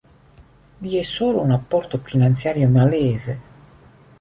Vi è solo un apporto finanziario malese".